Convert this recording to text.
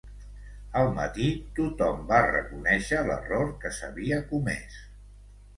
Al matí, tothom va reconèixer l'error que s'havia comès.